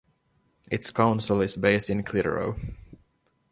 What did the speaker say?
Its council is based in Clitheroe.